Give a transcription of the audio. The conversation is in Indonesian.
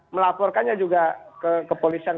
melaporkannya juga ke polisan